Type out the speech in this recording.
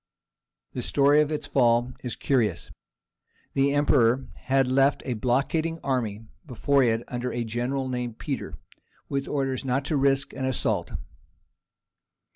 The story of its fall is curious. The Emperor had left a blockading army before it under a general named Peter, with orders not to risk an assault.